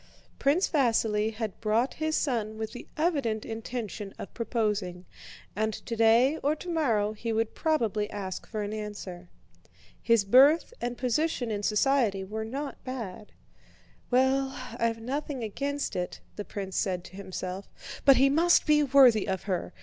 Prince Vasíli had brought his son with the evident intention of proposing, and today or tomorrow he would probably ask for an answer. His birth and position in society were not bad. "Well, I've nothing against it," the prince said to himself, "but he must be worthy of her.